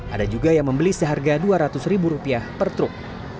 ada juga yang membeli seharga dua ratus ribu rupiah per truk